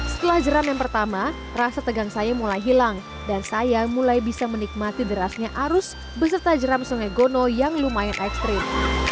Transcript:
setelah jeram yang pertama rasa tegang saya mulai hilang dan saya mulai bisa menikmati derasnya arus beserta jeram sungai gono yang lumayan ekstrim